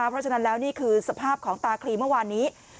เพราะฉะนั้นแล้วนี่คือสภาพของตาคลีเมื่อวานนี้